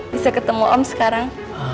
bisa ketemu om sekarang